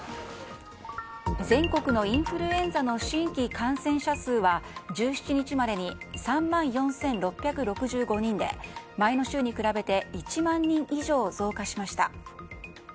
全国のインフルエンザの新規感染者数は１７日までの３万４６６５人で前の週に比べて１万人以上増加しました。